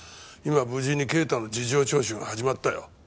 今無事に啓太の事情聴取が始まったよ。